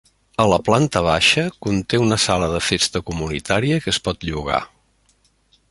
A la planta baixa conté una sala de festa comunitària que es pot llogar.